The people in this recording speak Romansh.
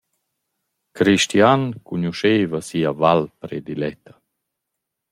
Christian cugnuoschaiva sia Val prediletta.